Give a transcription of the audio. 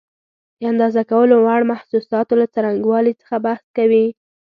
د اندازه کولو وړ محسوساتو له څرنګوالي څخه بحث کوي.